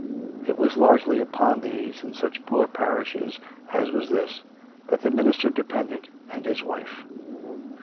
It was largely upon these, in such poor parishes as was this, that the minister depended and his wife.